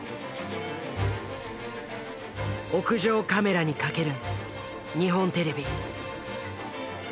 屋上カメラに懸ける日本テレビ。